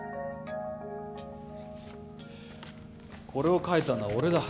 これを書いたのは俺だ